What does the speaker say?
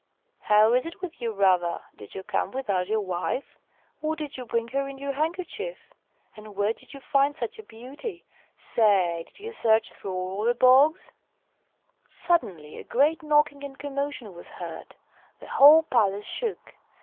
" How is it with you, brother ? Did you come without your wife? Or did you bring her in your handkerchief? And where did you find such a beauty? Say, did you search through all the bogs?" Suddenly a great knocking and commotion was h ear d the whole palace shook.